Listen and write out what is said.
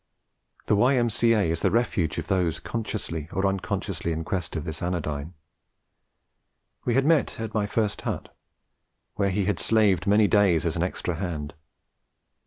The Y.M.C.A. is the refuge of those consciously or unconsciously in quest of this anodyne. We had met at my first hut, where he had slaved many days as an extra hand.